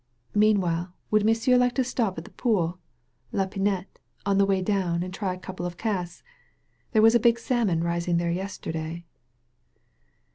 Meanwhile would M'sieu* like to stop at the pool ^La Pinette^ on the way down and tiy a couple of casts ? There was a big salmon rising there yesterday."